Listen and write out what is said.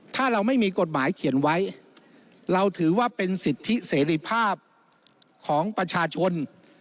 ถ้าเราไม่มีกฎหมายเขียนไว้เราถือว่าเป็นสิทธิเสรีภาพของประชาชน